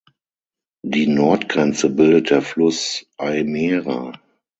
Die Nordgrenze bildet der Fluss "Ai Mera".